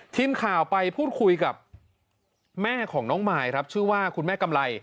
ทีมข่าวไปพูดคุยกับแม่ของน้องมายครับชื่อว่าคุณแม่กำไร